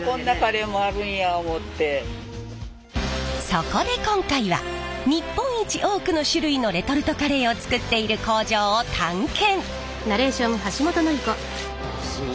そこで今回は日本一多くの種類のレトルトカレーを作っている工場を探検！